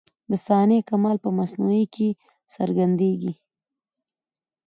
د صانع کمال په مصنوعي کي څرګندېږي.